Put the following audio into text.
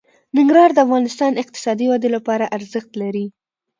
ننګرهار د افغانستان د اقتصادي ودې لپاره ارزښت لري.